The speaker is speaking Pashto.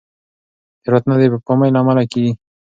تېروتنه د بې پامۍ له امله کېږي.